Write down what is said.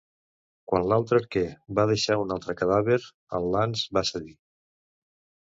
Quan l'altre arquer va deixar un altre cadàver, en Lance va cedir.